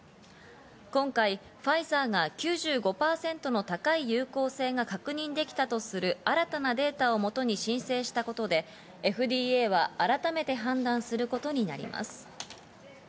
今回、ファイザーが９５％の高い有効性が確認できたとする新たなデータをもとに申請したことで、ＦＤＡは改めて判断することになります。